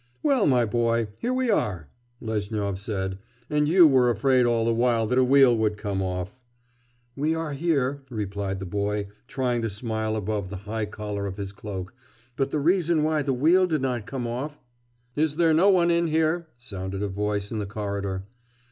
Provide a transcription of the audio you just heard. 'Well, my boy, here we are,' Lezhnyov said, 'and you were afraid all the while that a wheel would come off.' 'We are here,' replied the boy, trying to smile above the high collar of his cloak, 'but the reason why the wheel did not come off ' 'Is there no one in here?' sounded a voice in the corridor.